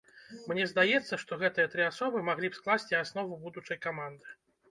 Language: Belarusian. Мне здаецца, што гэтыя тры асобы маглі б скласці аснову будучай каманды.